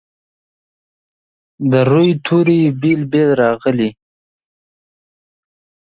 د روي توري یې بیل بیل راغلي.